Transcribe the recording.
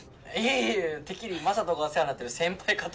いえいえてっきり雅人がお世話になってる先輩かと。